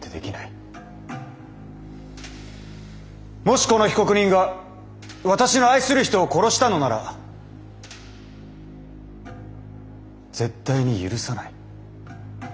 もしこの被告人が私の愛する人を殺したのなら絶対に許さない。